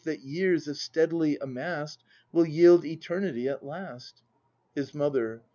That years, if steadily amass'd, Will yield Eternity at last. His Mother.